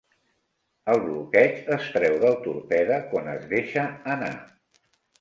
El bloqueig es treu del torpede quan es deixa anar.